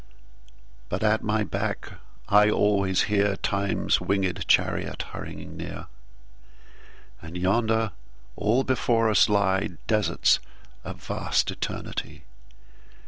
But at my back I alwaies hearTimes winged Charriot hurrying near:And yonder all before us lyeDesarts of vast Eternity.